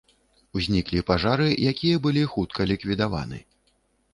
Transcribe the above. Узніклі пажары, якія былі хутка ліквідаваны.